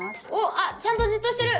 あっちゃんとじっとしてる。